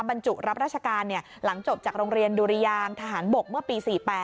บรรจุรับราชการหลังจบจากโรงเรียนดุริยางทหารบกเมื่อปี๔๘